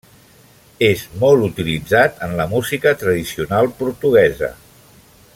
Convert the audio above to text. És molt utilitzat en la música tradicional portuguesa.